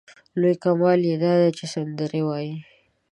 لوی کمال یې دا دی چې سندرې وايي.